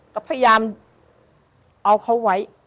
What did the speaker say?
ก็พยายามเอาเขาไว้